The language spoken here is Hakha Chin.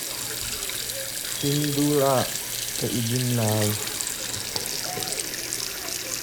Ni dul ah kan i din lai.